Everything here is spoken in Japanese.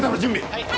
はい！